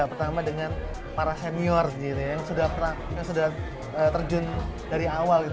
pertama dengan para senior yang sudah terjun dari awal gitu